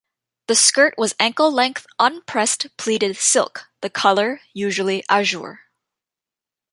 The skirt was ankle-length, unpressed-pleated silk, the color usually azure.